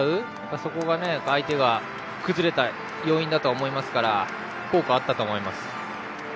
そこが相手が崩れた要因だと思いますから効果はあったと思います。